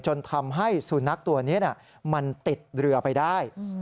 จนทำให้สุนัขตัวนี้มันติดเรือไปได้